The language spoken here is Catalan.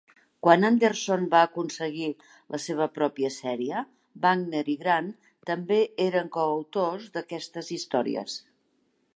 Quan Anderson va aconseguir la seva pròpia sèrie, Wagner i Grant també eren coautors d'aquestes històries.